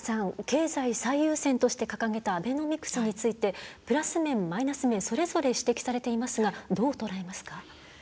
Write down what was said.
経済最優先として掲げたアベノミクスについてプラス面、マイナス面それぞれ指摘されていますがどう捉えますか？